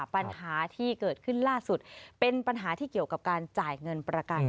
ปัญหาที่เกิดขึ้นล่าสุดเป็นปัญหาที่เกี่ยวกับการจ่ายเงินประกัน